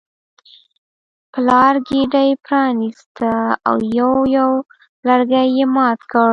پلار ګېډۍ پرانیسته او یو یو لرګی یې مات کړ.